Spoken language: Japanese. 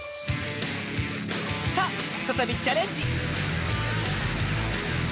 さあふたたびチャレンジ！